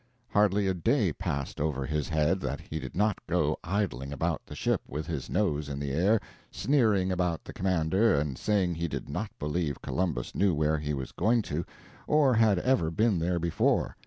Hardly a day passed over his head that he did not go idling about the ship with his nose in the air, sneering about the commander, and saying he did not believe Columbus knew where he was going to or had ever been there before.